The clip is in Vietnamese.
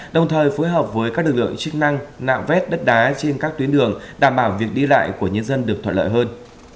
đồng thời phối hợp với các lực lượng chức năng nạo vét đất đá trên các tuyến đường đảm bảo việc đi lại của nhân dân được thuận lợi hơn